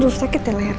aduh sakit deh lehernya